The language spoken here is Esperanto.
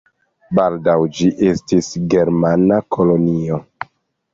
Baldaŭe ĝi estis germana kolonio.